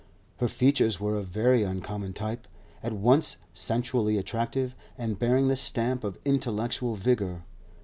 Her features were of very uncommon type, at once sensually attractive and bearing the stamp of intellectual vigour.